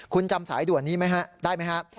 คุณจำสายด่วนนี้ไหมฮะได้ไหมครับ